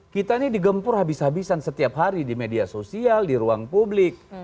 kita ini digempur habis habisan setiap hari di media sosial di ruang publik